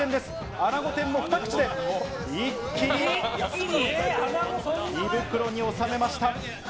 アナゴ天もふた口で一気に、胃袋に収めました。